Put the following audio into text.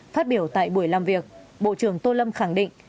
phát biểu tại buổi làm việc bộ trưởng tô lâm khẳng định